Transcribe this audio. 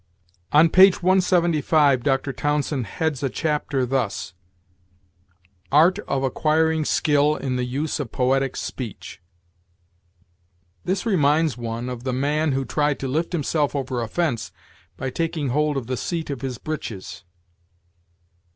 On page 175, Dr. Townsend heads a chapter thus: "Art of acquiring Skill in the use of Poetic Speech." This reminds one of the man who tried to lift himself over a fence by taking hold of the seat of his breeches.